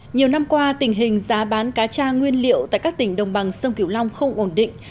nhiều năm qua tình hình giá bán cá cha nguyên liệu tại các tỉnh đồng bằng sông kiểu long không ổn định